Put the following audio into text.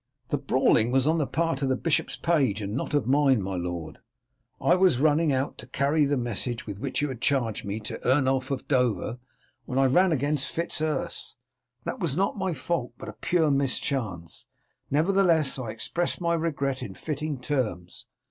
"The brawling was on the part of the bishop's page and not of mine, my lord. I was running out to carry the message with which you charged me to Ernulf of Dover when I ran against Fitz Urse. That was not my fault, but a pure mischance, nevertheless I expressed my regret in fitting terms.